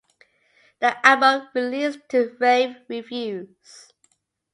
The album released to rave reviews.